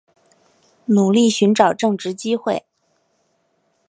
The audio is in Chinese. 努力寻找正职机会